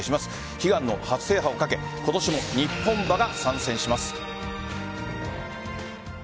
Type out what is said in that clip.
悲願の初制覇をかけ今年も日本馬が参戦します。